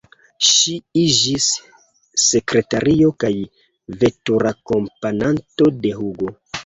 Ŝi iĝis sekretario kaj veturakompananto de Hugo.